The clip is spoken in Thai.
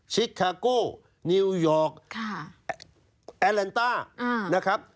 ชิคคาโกนิวยอร์กแอร์แลนต้านะครับ